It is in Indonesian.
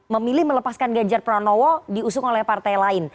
memilih melepaskan ganjar pranowo diusung oleh partai lain